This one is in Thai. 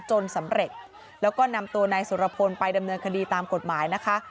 จนสำเร็จแล้วก็นำตัวนายสุรพลไปดำเนินคดีตามกฎหมายนะคะ